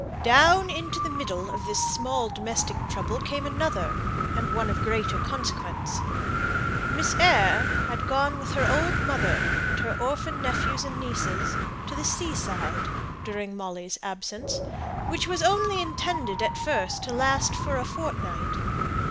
Down into the middle of this small domestic trouble came another, and one of greater consequence. Miss Eyre had gone with her old mother, and her orphan nephews and nieces, to the sea side, during Molly's absence, which was only intended at first to last for a fortnight.